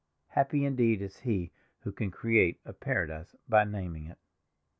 Happy indeed is he who can create a paradise by naming it!